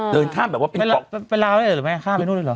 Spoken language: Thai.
เดินข้ามแบบว่าเป็นกล่องเป็นลาได้หรือไม่ข้ามไปนู่นหรือ